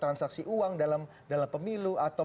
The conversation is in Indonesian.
transaksi uang dalam pemilu atau